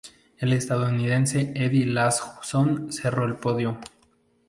El estadounidense Eddie Lawson cerró el podio.